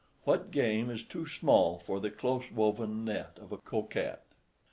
What game is too small for the close woven net of a coquette?